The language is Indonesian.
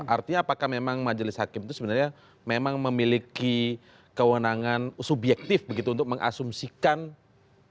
artinya apakah memang majelis hakim itu sebenarnya memang memiliki kewenangan subjektif begitu untuk mengasumsikan